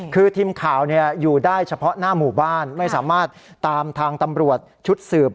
คือทีมข่าวอยู่ได้เฉพาะหน้าหมู่บ้านไม่สามารถตามทางตำรวจชุดสืบ